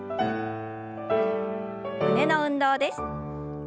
胸の運動です。